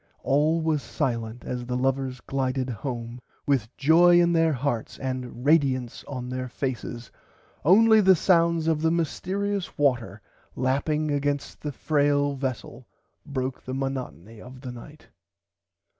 All was silent as the lovers glided home with joy in their hearts and radiunce on their faces only the sound of the mystearious water lapping against the frail vessel broke the monotony of the night.